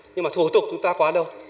nhưng mà thủ tục chúng ta quá lâu